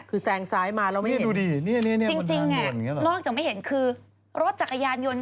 คือแซงซ้ายมาแล้วไม่เห็นจริงนอกจากไม่เห็นคือรถจักรยานยนต์